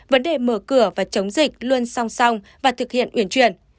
vấn đề mở cửa và chống dịch luôn song song và thực hiện uyển chuyển